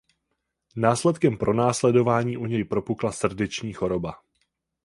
Následkem pronásledování u něj propukla srdeční choroba.